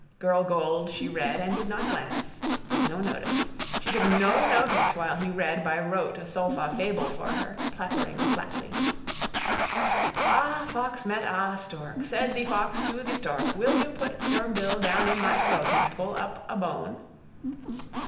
Girlgold she read and did not glance. Take no notice. She took no notice while he read by rote a solfa fable for her, plappering flatly: —Ah fox met ah stork. Said thee fox too thee stork: Will you put your bill down inn my troath and pull upp ah bone?